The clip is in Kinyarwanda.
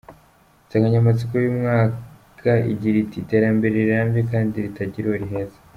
Insanganyamatsiko y’uyu mwaka igira iti “Iterambere rirambye kandi ritagira uwo riheza.